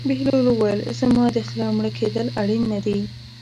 بهلول وویل: زما د خر مړه کېدل اړین نه دي.